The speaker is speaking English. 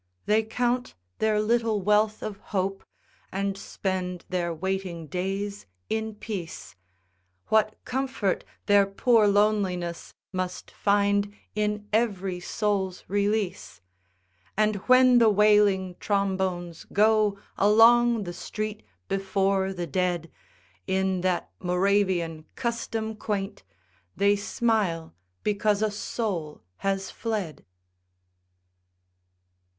They count their little wealth of hope And spend their waiting days in peace, What comfort their poor loneliness Must find in every soul's release! And when the wailing trombones go Along the street before the dead In that Moravian custom quaint, They smile because a soul has fled.